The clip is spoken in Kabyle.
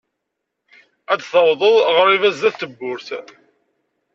ad d-taweḍ ɣriba sdat n tewwurt.